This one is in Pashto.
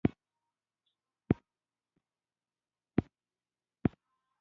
رئیس جمهور خپلو عسکرو ته امر وکړ؛ د قومندان خبره په ځیر واورئ!